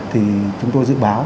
thì chúng tôi dự báo